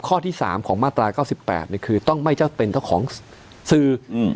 ข้อที่๓ของมาตรา๙๘คือต้องไม่เจ้าเป็นเจ้าของสื่อ